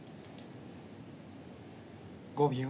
５秒。